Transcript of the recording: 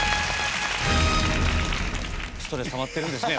ストレスたまってるんですね